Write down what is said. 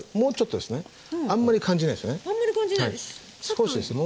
少しですね